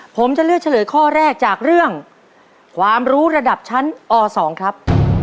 ผมจะเลือกเฉลยข้อแรกจากเรื่องความรู้ระดับชั้นอ๒ครับ